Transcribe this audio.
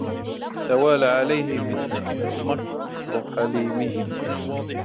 تَوَالَى عَلَيْهِ مِنْ مَكْرِ حَلِيمِهِمْ